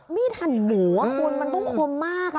หั่นหมูคุณมันต้องคมมาก